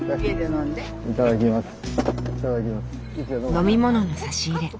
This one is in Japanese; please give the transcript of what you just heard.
飲み物の差し入れ。